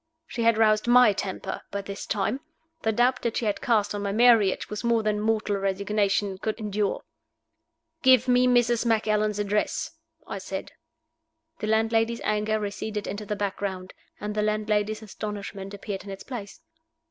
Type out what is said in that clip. She had roused my temper by this time. The doubt that she had cast on my marriage was more than mortal resignation could endure. "Give me Mrs. Macallan's address," I said. The landlady's anger receded into the background, and the landlady's astonishment appeared in its place.